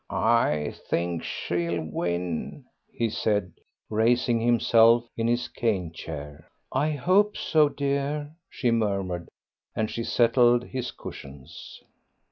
"I think she'll win," he said, raising himself in his cane chair. "I hope so, dear," she murmured, and she settled his cushions.